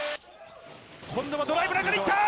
今度はドライブでいった。